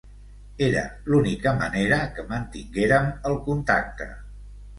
Era l'única manera que mantinguérem el contacte.